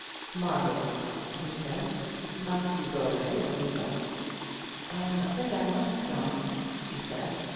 "Margaret," he said, "must you go away and leave us?" "I'm afraid I must, John," she said.